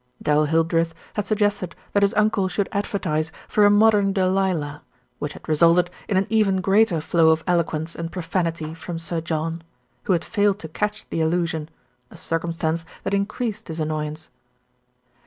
Darrell Hildreth had suggested that his uncle should advertise for a modern Delilah, which had resulted in an even greater flow of eloquence and profanity from Sir John, who had failed to catch the allusion, a cir cumstance that increased his annoyance.